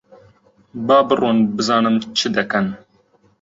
با بڕۆن بزانم چ دەکەن؟